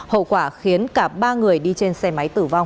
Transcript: hậu quả khiến cả ba người đi trên xe máy tử vong